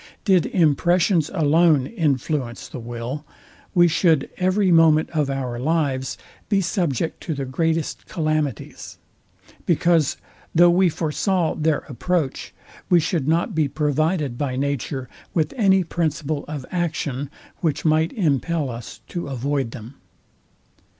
Did impressions alone influence the will, we should every moment of our lives be subject to the greatest calamities; because, though we foresaw their approach, we should not be provided by nature with any principle of action, which might impel us to avoid them.